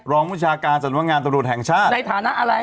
วิชาการสำนักงานตำรวจแห่งชาติในฐานะอะไร